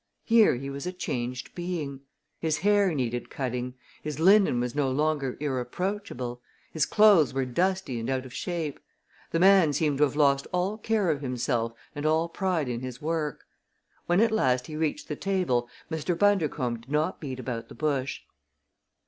Here he was a changed being. His hair needed cutting; his linen was no longer irreproachable; his clothes were dusty and out of shape. The man seemed to have lost all care of himself and all pride in his work. When at last he reached the table Mr. Bundercombe did not beat about the bush.